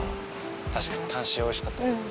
確かにタン塩美味しかったですね。